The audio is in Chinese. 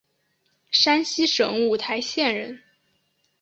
山西省五台县人。